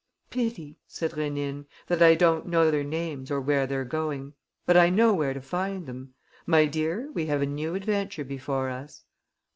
"Pity," said Rénine, "that I don't know their names or where they're going. But I know where to find them. My dear, we have a new adventure before us."